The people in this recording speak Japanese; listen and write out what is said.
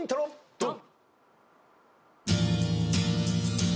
ドン！